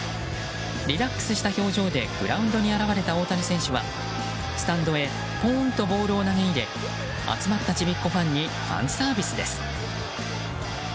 リラックスした表情でグラウンドに現れた大谷選手はスタンドへポンとボールを投げ入れ集まったちびっ子ファンにファンサービスです。